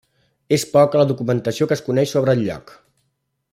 És poca la documentació que es coneix sobre el lloc.